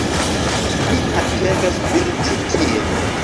Mi atendos vin ĉi tie